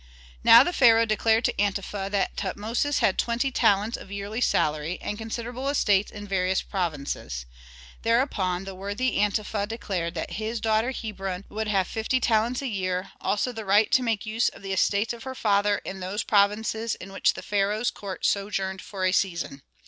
Now the pharaoh declared to Antefa that Tutmosis had twenty talents of yearly salary, and considerable estates in various provinces. Thereupon the worthy Antefa declared that his daughter Hebron would have fifty talents a year, also the right to make use of the estates of her father in those provinces in which the pharaoh's court sojourned for a season.